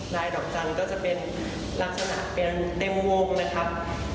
ดอกจันทร์ก็จะเป็นลักษณะเป็นเต็มวงนะครับ